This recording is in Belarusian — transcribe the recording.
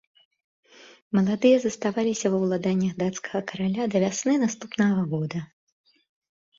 Маладыя заставаліся ва ўладаннях дацкага караля да вясны наступнага года.